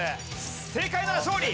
正解なら勝利！